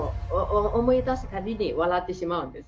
思い出すたびに笑ってしまうんです。